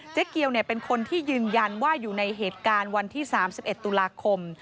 เกียวเป็นคนที่ยืนยันว่าอยู่ในเหตุการณ์วันที่๓๑ตุลาคม